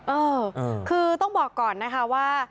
เออคือต้องบอกก่อนนะคะว่า